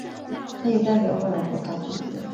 他也代表波兰国家足球队。